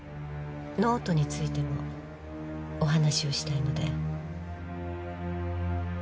ノートについてもお話をしたいので。